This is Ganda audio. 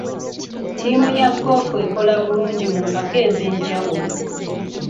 Ttiimu ya goofu ekola bulungi mu mpaka ez'enjawulo.